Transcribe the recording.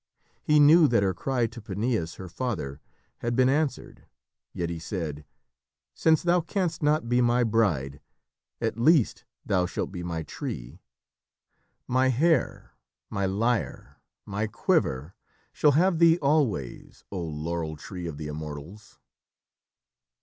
He knew that her cry to Peneus her father had been answered, yet he said, "Since thou canst not be my bride, at least thou shalt be my tree; my hair, my lyre, my quiver shall have thee always, oh laurel tree of the Immortals!"